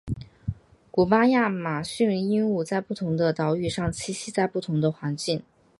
古巴亚马逊鹦鹉在不同的岛屿上栖息在不同的环境。